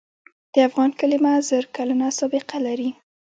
د افغان کلمه زر کلنه سابقه لري.